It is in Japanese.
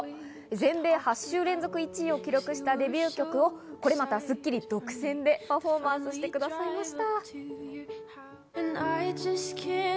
全米８週連続１位のデビュー曲をこれまた『スッキリ』独占でパフォーマンスしてくださいました。